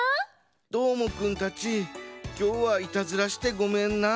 どーもくんたちきょうはイタズラしてごめんな。